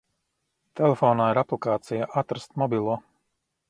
Telefonā ir aplikācija "Atrast mobilo".